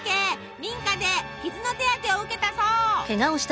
民家で傷の手当てを受けたそう。